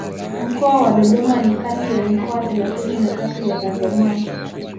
Mkoa wa Dodoma ni kati ya mikoa thelathini na tatu ya Tanzania